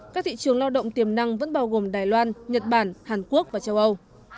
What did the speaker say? các thị trường lao động tiềm năng vẫn bao gồm đài loan nhật bản hàn quốc và châu âu